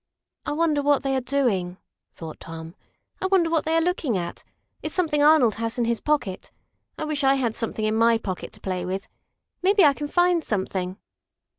"I wonder what they are doing?" thought Tom. "I wonder what they are looking at? It's something Arnold has in his pocket. I wish I had something in my pocket to play with. Maybe I can find something!"